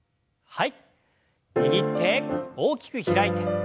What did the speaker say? はい。